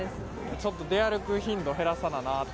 ちょっと出歩く頻度減らさななと。